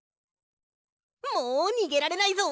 もうにげられないぞ！